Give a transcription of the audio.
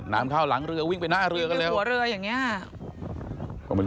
น้ำเข้าหลังเรือวิ่งไปหน้าเรือกันเลยหัวเรืออย่างนี้